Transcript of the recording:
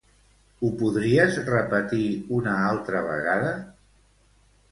Ho podries repetir una altra vegada?